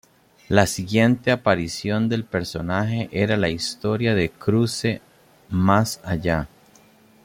La siguiente aparición del personaje era la historia de cruce más allá!